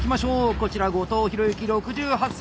こちら後藤宏幸６８歳。